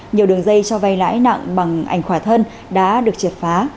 nhiều đường dây cho vay lãi nặng bằng ảnh khỏa thân đã được triệt phá